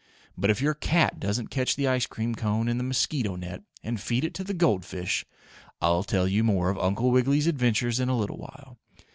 But if your cat doesn't catch the ice cream cone in the mosquito net and feed it to the gold fish, I'll tell you more of Uncle Wiggily's adventures in a little while.